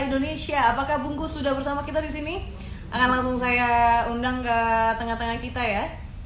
indonesia apakah bungkus sudah bersama kita di sini akan langsung saya undang ke tengah tengah kita ya